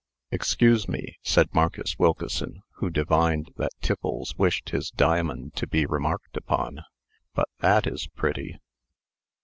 "Excuse me," said Marcus Wilkeson, who divined that Tiffles wished his diamond to be remarked upon, "but that is pretty!"